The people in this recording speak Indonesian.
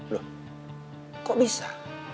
loh kok bisa